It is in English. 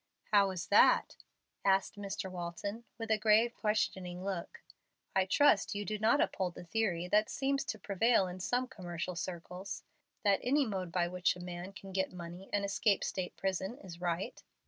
"How is that?" asked Mr. Walton, with a grave, questioning look. "I trust you do not uphold the theory that seems to prevail in some commercial circles, that any mode by which a man can get money and escape State prison is right?"